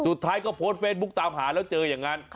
สุดท้ายก็โพสต์เฟซบุ๊คตามหาแล้วเจออย่างนั้น